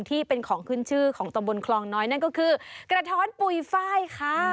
ที่เป็นของขึ้นชื่อของตำบลคลองน้อยนั่นก็คือกระท้อนปุ๋ยไฟล์ค่ะ